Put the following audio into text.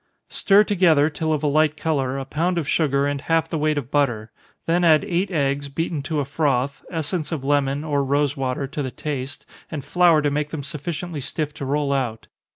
_ Stir together, till of a light color, a pound of sugar, and half the weight of butter then add eight eggs, beaten to a froth, essence of lemon, or rosewater, to the taste, and flour to make them sufficiently stiff to roll out.